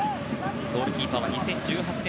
ゴールキーパーは２０１８年